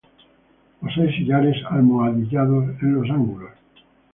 Posee sillares almohadillados en los ángulos.